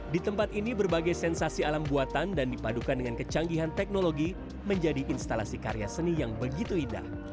di tempat ini berbagai sensasi alam buatan dan dipadukan dengan kecanggihan teknologi menjadi instalasi karya seni yang begitu indah